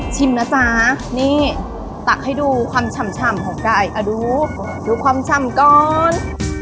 ชิมนะจ๋านี่ตักให้ดูความฉ่ำฉ่ำของไก่เอาดูดูความฉ่ำก่อน